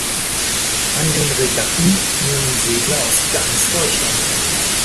An den Regatten nehmen Segler aus ganz Deutschland teil.